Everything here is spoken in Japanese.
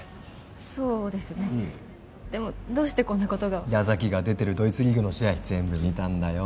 そうですねでもどうしてこんなことが矢崎が出てるドイツリーグの試合全部見たんだよ